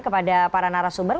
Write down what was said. kepada para narasumber